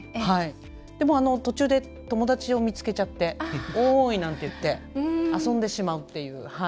でも途中で友達を見つけちゃっておーい！なんて言って遊んでしまうっていう。